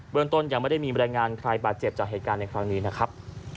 เมืองต้นยังไม่ได้มีบรรยายงานใครบาดเจ็บจากเหตุการณ์ในครั้งนี้นะครับ